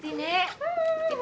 pipa merah lagi nek